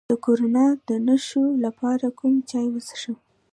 د کرونا د نښو لپاره کوم چای وڅښم؟